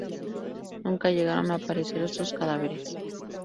Nunca llegaron a aparecer estos cadáveres.